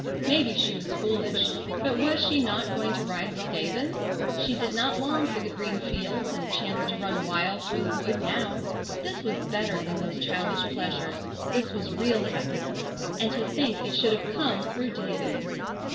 Maybe she was foolish, but was she not going to ride with David? She did not long for the green fields and a chance to run wild through the wood now. This was better than those childish pleasures. This was real happiness. And to think it should have come through David!